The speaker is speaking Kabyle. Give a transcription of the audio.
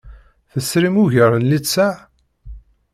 Tesrim ugar n littseɛ?